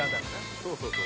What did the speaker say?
そうそうそう。